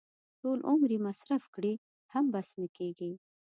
ټول عمر یې مصرف کړي هم بس نه کېږي.